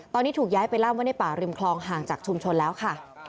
ตอนนี้ถูกย้ายไปล่ามไว้ในป่าริมคลองห่างจากชุมชนแล้วค่ะ